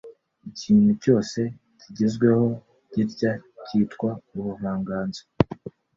Ikintu cyose kigezweho gitya kitwa ubuvanganzo